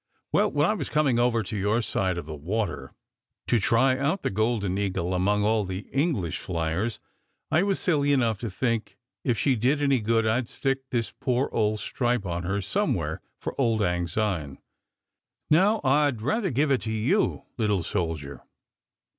Well, when I was coming over to your side of the water, to try out the Golden Eagle among all the English flyers, I was silly enough to think if she did any good, I d stick this poor old stripe on her some where, for auld lang syne. Now I d rather give it to you, little soldier."